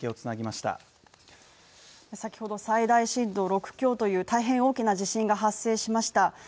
先ほど最大震度６強という大変大きな地震が発生しました。